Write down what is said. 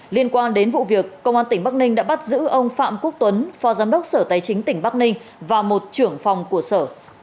liên quan đến vụ việc công an tỉnh bắc ninh đã bắt giữ ông phạm quốc tuấn phó giám đốc sở tài chính tỉnh bắc ninh và một trưởng phòng của sở